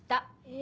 え！